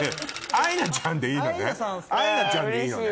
アイナちゃんでいいのね？